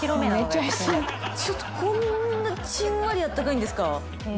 ちょっとこんなじんわりあったかいんですか！